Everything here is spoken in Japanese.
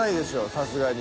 さすがに。